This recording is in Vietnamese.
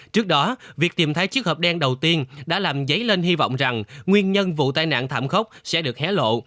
trước đó việc tìm thấy chiếc hộp đen đầu tiên đã làm dấy lên hy vọng rằng nguyên nhân vụ tai nạn thảm khốc sẽ được hé lộ